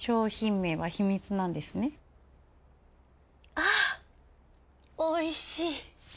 あおいしい。